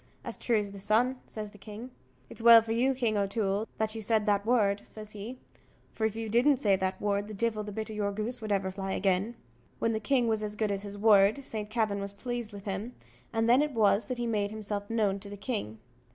"As true as the sun," says the king. "It's well for you, King O'Toole, that you said that word," says he; "for if you didn't say that word, the divil the bit o' your goose would ever fly agin." When the king was as good as his word, Saint Kavin was pleased with him, and then it was that he made himself known to the king.